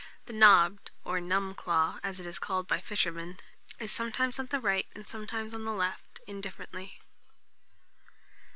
The knobbed, or numb claw, as it is called by fishermen, is sometimes on the right and sometimes on the left, indifferently.